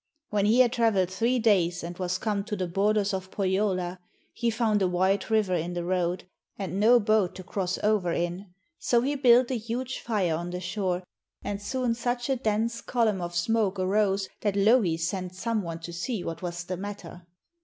When he had travelled three days and was come to the borders of Pohjola, he found a wide river in the road and no boat to cross over in. So he built a huge fire on the shore, and soon such a dense column of smoke arose that Louhi sent some one to see what was the matter.